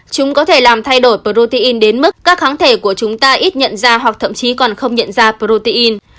chúng có thể làm thay đổi protein đến mức các kháng thể của chúng ta ít nhận ra hoặc thậm chí còn không nhận ra protein